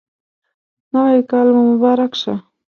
نوی کال مو مبارک شه